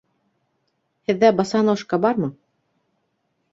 Һеҙҙә босоножка бармы?